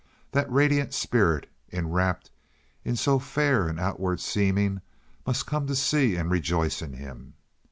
That radiant spirit, enwrapt in so fair an outward seeming, must come to see and rejoice in him.